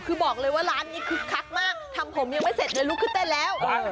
คือบอกเลยว่าร้านนี้คึกคักมากทำผมยังไม่เสร็จเลยลุกขึ้นเต้นแล้ว